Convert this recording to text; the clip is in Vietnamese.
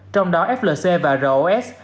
trong đó flc và ros